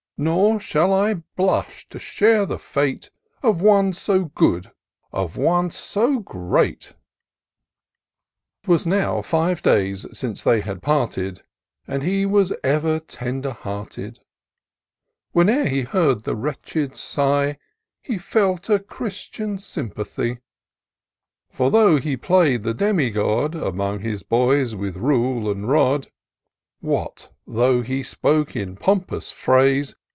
59 Nor shall I blush to share the fate Of one so good — of one so great." 'Twas now five days since they had parted, And he was ever tender hearted : Whene'er he heard the wretched sigh, He felt a Christian sympathy ; For though he play'd the demi god Among his boys, with rule and rod ; What, though he spoke in pompous phrase.